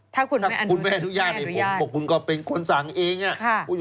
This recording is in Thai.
ถ้าคุณไม่อนุญาตคุณก็เป็นคนสั่งเอง